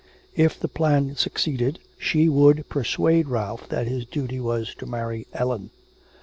If the plan succeeded she would persuade Ralph that his duty was to marry Ellen.